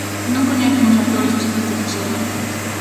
Non coñecen os actores e as actrices de sobra?